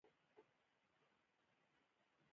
مننه، هغه مو په کار نه دي، له دوی سره مو مخه ښه وکړه.